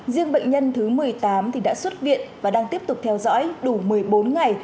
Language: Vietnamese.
riêng bệnh nhân thứ một mươi tám đã xuất viện và đang tiếp tục theo dõi đủ một mươi bốn ngày